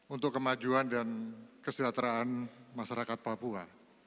untuk kemajuan dan kesejahteraan masyarakat papua